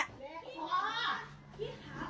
พี่ค่ะ